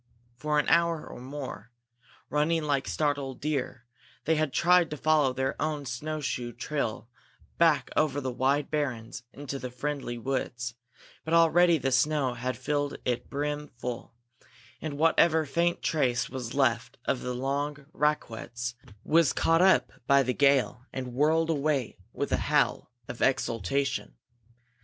For an hour or more, running like startled deer, they had tried to follow their own snow shoe trail back over the wide barrens into the friendly woods; but already the snow had filled it brim full, and whatever faint trace was left of the long raquettes was caught up by the gale and whirled away with a howl of exultation.